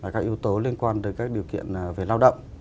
các yếu tố liên quan tới các điều kiện về lao động